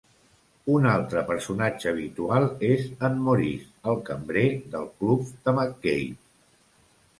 Un altre personatge habitual és en Maurice, el cambrer del club de McCabe.